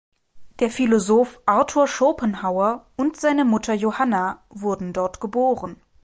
Der Philosoph Arthur Schopenhauer und seine Mutter Johanna wurden dort geboren.